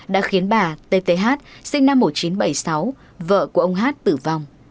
đã khiến bà t t h sinh năm một nghìn chín trăm bảy mươi sáu vợ của ông hát tử vong